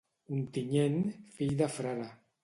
Ontinyent, fill de frare.